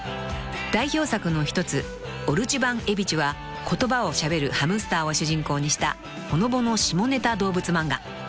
［代表作の一つ『おるちゅばんエビちゅ』は言葉をしゃべるハムスターを主人公にしたほのぼの下ネタ動物漫画］